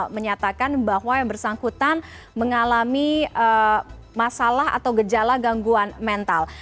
menyatakan bahwa yang bersangkutan mengalami masalah atau gejala gangguan mental